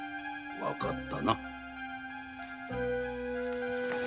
わかったな。